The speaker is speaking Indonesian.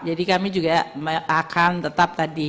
jadi kami juga akan tetap tadi